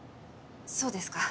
そうですか。